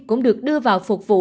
cũng được đưa vào phục vụ